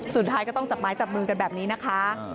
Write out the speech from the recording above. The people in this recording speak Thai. สุดท้ายก็ต้องจับไม้จับมือกันแบบนี้นะคะ